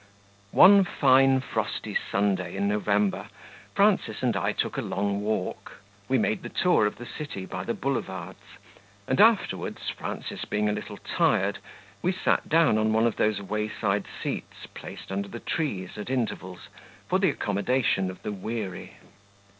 ONE fine, frosty Sunday in November, Frances and I took a long walk; we made the tour of the city by the Boulevards; and, afterwards, Frances being a little tired, we sat down on one of those wayside seats placed under the trees, at intervals, for the accommodation of the weary.